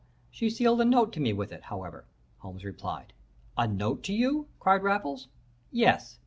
She sealed a note to me with it, however,' Holmes replied. "'A note to you?' cried Raffles. "'Yes.